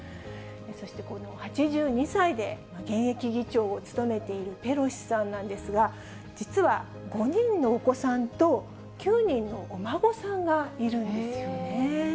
そして、この８２歳で現役議長を務めているペロシさんなんですが、実は、５人のお子さんと９人のお孫さんがいるんですよね。